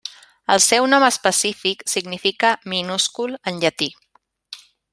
El seu nom específic significa 'minúscul' en llatí.